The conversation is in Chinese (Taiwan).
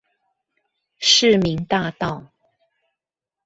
市民大道